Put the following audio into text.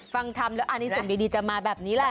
ฟังทำแล้วอันนี้สิ่งดีจะมาแบบนี้แหละ